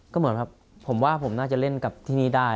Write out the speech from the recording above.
ก็เหมือนแบบผมว่าผมน่าจะเล่นกับที่นี่ได้